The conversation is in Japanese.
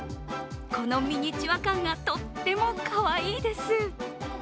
このミニチュア感がとってもかわいいです。